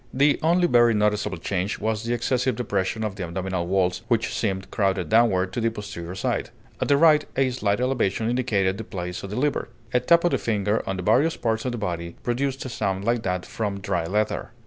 The only very noticeable change was the excessive depression of the abdominal walls, which seemed crowded downward to the posterior side; at the right, a slight elevation indicated the place of the liver. A tap of the finger on the various parts of the body produced a sound like that from dry leather.